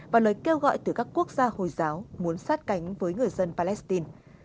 và lời kêu gọi từ các quốc gia hồi giáo muốn sát cánh với người dân palestine